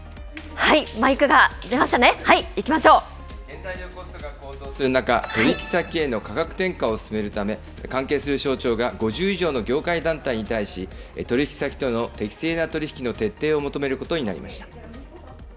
マイクが出ましたね、原材料コストが高騰する中、取り引き先への価格転嫁を進めるため、関係する省庁が５０以上の業界団体に対し、取り引き先との適正な取り引きの徹底を求めることになりました。